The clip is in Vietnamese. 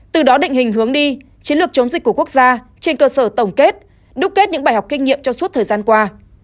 từ đó định hình hướng đi chiến lược chống dịch của quốc gia trên cơ sở tổng kết đúc kết những bài học kinh nghiệm cho suốt thời gian qua